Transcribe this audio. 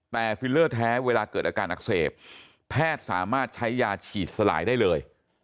แต่ฟิลเลอร์แท้เวลาเกิดอาการอักเสบแพทย์สามารถใช้ยาฉีดสลายได้เลย